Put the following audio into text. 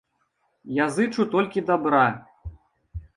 Я зычу толькі дабра.